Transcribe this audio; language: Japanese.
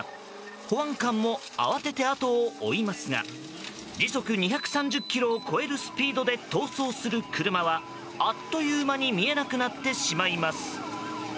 保安官も慌てて後を追いますが時速２３０キロを超えるスピードで逃走する車はあっという間に見えなくなってしまいます。